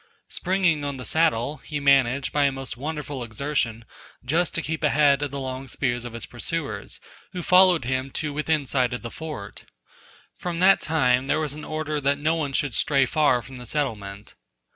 Springing on the saddle, he managed, by a most wonderful exertion, just to keep ahead of the long spears of his pursuers, who followed him to within sight of the fort. From that time there was an order that no one should stray far from the settlement.